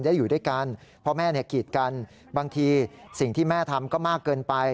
อยู่ด้วยกันพ่อแม่เนี่ยกีดกันบางทีสิ่งที่แม่ทำก็มากเกินไป